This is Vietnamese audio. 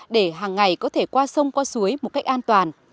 để hàng ngày có thể qua sông qua suối một cách an toàn